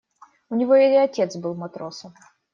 У него и отец был матросом.